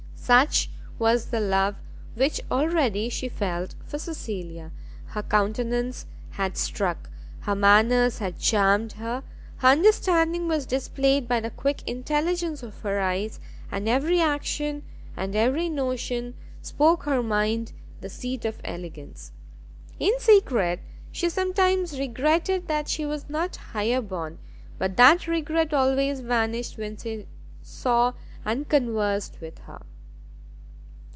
Such was the love which already she felt for Cecilia; her countenance had struck, her manners had charmed her, her understanding was displayed by the quick intelligence of her eyes, and every action and every notion spoke her mind the seat of elegance. In secret she sometimes regretted that she was not higher born, but that regret always vanished when she saw and conversed with her.